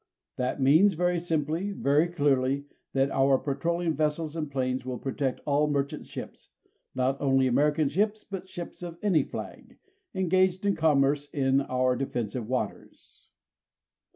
That means, very simply, very clearly, that our patrolling vessels and planes will protect all merchant ships not only American ships but ships of any flag engaged in commerce in our defensive waters.